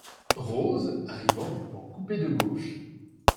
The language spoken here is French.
Rose , arrivant du pan coupé de gauche.